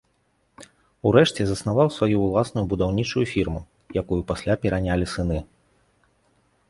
У рэшце заснаваў сваю ўласную будаўнічую фірму, якую пасля перанялі сыны.